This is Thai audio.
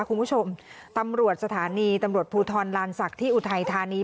คุณผู้ชมตำรวจสถานีตำรวจภูทรลานศักดิ์ที่อุทัยธานี